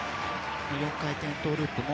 ４回転トウループも